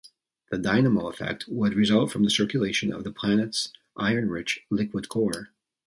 This dynamo effect would result from the circulation of the planet's iron-rich liquid core.